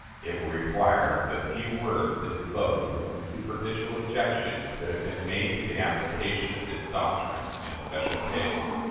It will require but few words to dispose of some superficial objections that have been made to the application of this doctrine in a special case.